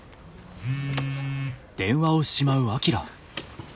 うん。